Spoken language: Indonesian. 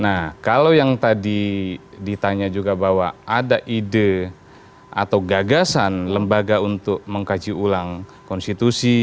nah kalau yang tadi ditanya juga bahwa ada ide atau gagasan lembaga untuk mengkaji ulang konstitusi